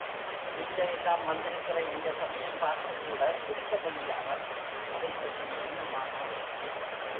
நீங்க எல்லாம் வந்திருக்கிற இந்த சமயம் பார்த்து கூட இருக்க முடியாமல்... அதைப்பற்றி என்ன மாமா?